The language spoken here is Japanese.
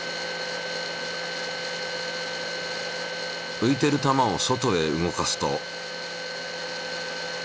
浮いている球を外へ動かすと。